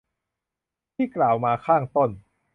ที่กล่าวมาข้างต้น